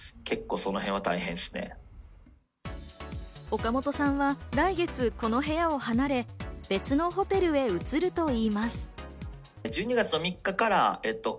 岡本さんは来月、この部屋を離れ、別のホテルへ移るといいます。